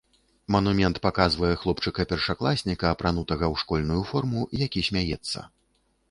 Манумент паказвае хлопчыка-першакласніка, апранутага ў школьную форму, які смяецца.